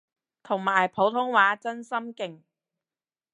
同埋普通話真心勁